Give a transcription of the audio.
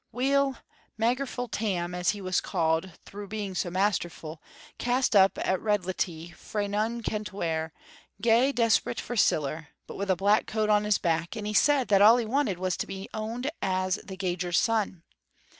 Weel, Magerful Tam, as he was called through being so masterful, cast up at Redlintie frae none kent where, gey desperate for siller, but wi' a black coat on his back, and he said that all he wanted was to be owned as the gauger's son.